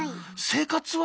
生活は？